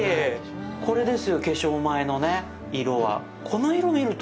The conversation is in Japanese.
これですよ、化粧前のね、色は。